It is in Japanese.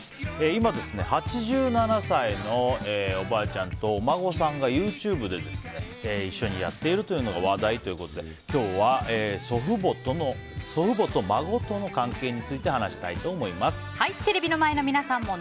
今、８７歳のおばあちゃんとお孫さんがＹｏｕＴｕｂｅで一緒にやっているというのが話題ということで今日は祖父母と孫とのカンケイについてテレビの前の皆さんもＮＯＮＳＴＯＰ！